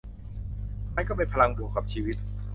มันก็เป็นพลังบวกกับชีวิต